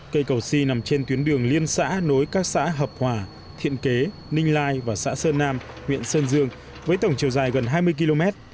cây cầu si nằm trên tuyến đường liên xã nối các xã hợp hòa thiện kế ninh lai và xã sơn nam huyện sơn dương với tổng chiều dài gần hai mươi km